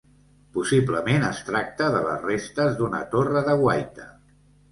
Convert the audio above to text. Possiblement es tracta de les restes d'una torre de guaita.